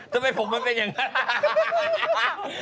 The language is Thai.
ทำไมผมมันเป็นอย่างนั้น